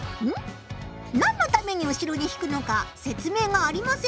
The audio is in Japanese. なんのために後ろに引くのか説明がありませんね。